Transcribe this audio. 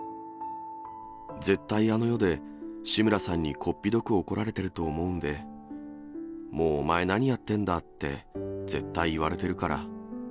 絶対、あの世で志村さんにこっぴどく怒られてると思うんで、もうお前、何やってるんだって、絶対言われてるから。